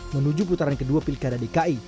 menuju putaran kedua pilkada dki